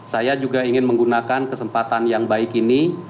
saya juga ingin menggunakan kesempatan yang baik ini